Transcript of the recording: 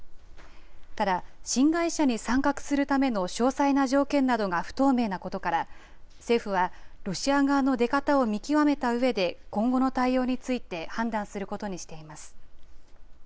ただ、新会社に参画するための詳細な条件などが不透明なことから、政府は、ロシア側の出方を見極めたうえで、今後の対応について判断することにしています。